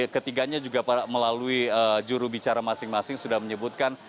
ketiganya juga melalui juru bicara masing masing sudah menyebutkan